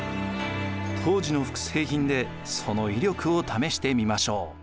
当時の複製品でその威力を試してみましょう。